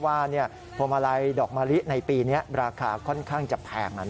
พวงมาลัยดอกมะลิในปีนี้ราคาค่อนข้างจะแพง